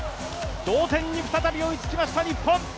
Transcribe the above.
同点に再び追いつきました、日本。